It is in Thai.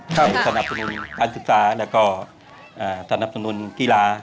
สนับสนุนการศึกษาแล้วก็สนับสนุนกีฬา